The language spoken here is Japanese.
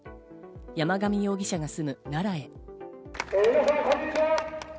山上容疑者が住む奈良へ。